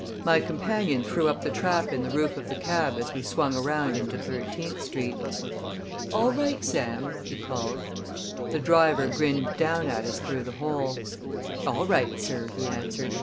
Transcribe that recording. My companion threw up the trap in the roof of the cab as we swung around into Thirteenth Street. "All right, Sam?" he called. The driver grinned down at us through the hole. "All right, sir," he answered.